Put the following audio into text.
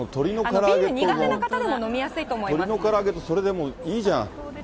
ビール苦手な方でも飲みやすいと鶏のから揚げとそれでいいじゃん。